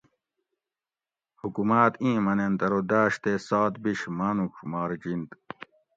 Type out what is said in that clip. حکوماۤت اِیں منینت ارو داۤش تے سات بِیش ماۤنُوڄ مارجِنت